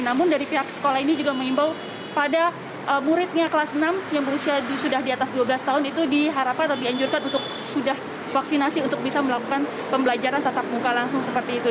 namun dari pihak sekolah ini juga mengimbau pada muridnya kelas enam yang berusia sudah di atas dua belas tahun itu diharapkan atau dianjurkan untuk sudah vaksinasi untuk bisa melakukan pembelajaran tatap muka langsung seperti itu